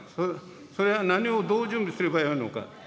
それは何をどう準備すればよいのか。